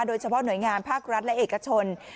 โดยเฉพาะหน่วยงานภาครัฐและเอกชน